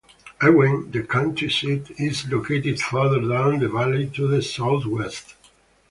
Erwin, the county seat, is located further down the valley to the southwest.